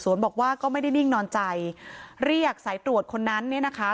บอกว่าก็ไม่ได้นิ่งนอนใจเรียกสายตรวจคนนั้นเนี่ยนะคะ